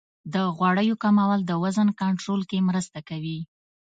د غوړیو کمول د وزن کنټرول کې مرسته کوي.